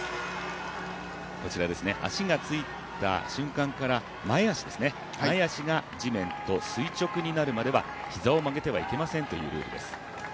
足がついた瞬間から前足が地面と垂直になるまでは膝を曲げてはいけませんというルールです。